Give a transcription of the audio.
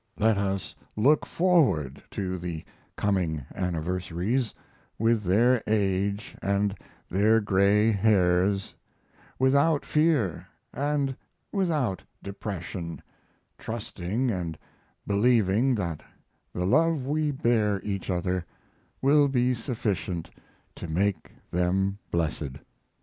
Let us look forward to the coming anniversaries, with their age and their gray hairs, without fear and without depression, trusting and believing that the love we bear each other will be sufficient to make them blessed.